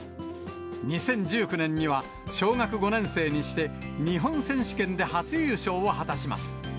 ２０１９年には小学５年生にして日本選手権で初優勝を果たします。